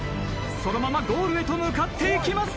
そのままゴールへと向かっていきます。